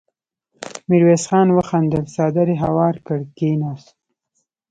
ميرويس خان وخندل، څادر يې هوار کړ، کېناست.